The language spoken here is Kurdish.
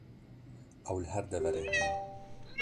Ew li her deverê hene.